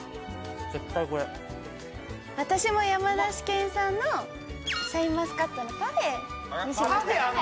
絶対これ私も山梨県産のシャインマスカットのパフェにしました